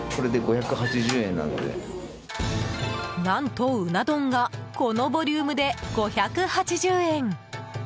何と、うな丼がこのボリュームで５８０円。